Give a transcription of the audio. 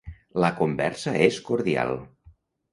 La conversa és cordial.